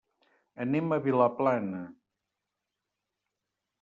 Anem a Vilaplana.